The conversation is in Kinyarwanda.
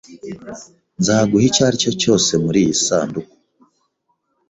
Nzaguha icyaricyo cyose muriyi sanduku.